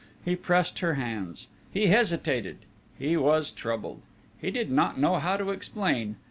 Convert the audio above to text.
He pressed her hands; he hesitated; he was troubled. He did not know how to explain.